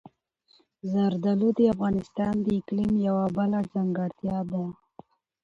زردالو د افغانستان د اقلیم یوه بله ځانګړتیا ده.